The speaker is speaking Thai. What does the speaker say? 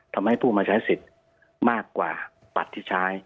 ทำให้ผู้มาใช้สิทธิ์มากกว่าบัตรที่ใช้